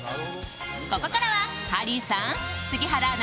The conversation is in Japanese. ここからはハリーさん、杉原アナ